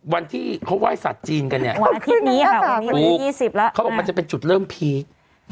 วันที่เขาไหว้สัตว์จีนกันเนี่ยวันอาทิตย์นี้ค่ะวันนี้วันที่๒๐แล้วเขาบอกมันจะเป็นจุดเริ่มพีค